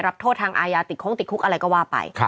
โทษทางอายาติดโค้งติดคุกอะไรก็ว่าไป